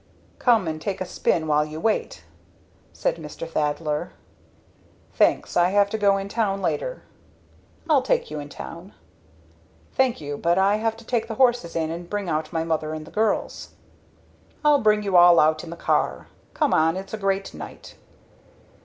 "Come and take a spin while you wait," said Mr. Thaddler. "Thanks, I have to go in town later." "I'll take you in town." "Thank you, but I have to take the horses in and bring out my mother and the girls." "I'll bring you all out in the car. Come on it's a great night."